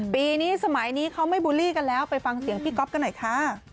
ปีนี้สมัยนี้เขาไม่บูลลี่กันแล้วไปฟังเสียงพี่ก๊อฟกันหน่อยค่ะ